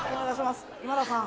今田さん